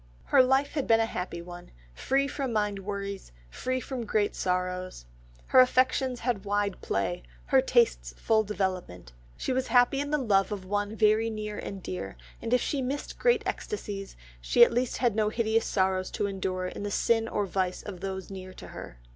Her life had been a happy one, free from mind worries, free from great sorrows, her affections had wide play, her tastes full development; she was happy in the love of one very near and dear, and if she missed great ecstasies, she at least had no hideous sorrows to endure in the sin or vice of those near to her.